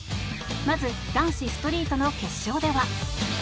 まず男子ストリートの決勝では。